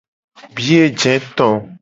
Biye je to.